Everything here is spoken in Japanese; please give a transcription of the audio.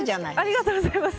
ありがとうございます。